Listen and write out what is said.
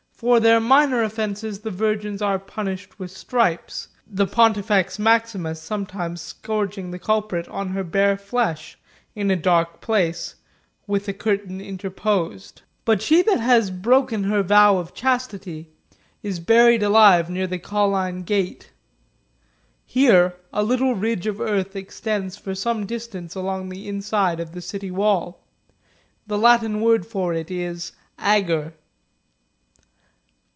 For their minor offences the virgins are punished with stripes, the Pontifex Maximus sometimes scourging the culprit on her bare flesh, in a dark place, with a curtain interposed. But she that has broken her vow of chastity is buried alive near the Colline gate. Here a little ridge of earth extends for some distance along the inside of the city wall ; the Latin word for it is "agger."